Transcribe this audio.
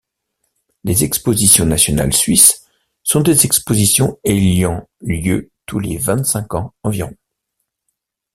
Les expositions nationales suisses sont des expositions ayant lieu tous les vingt-cinq ans environ.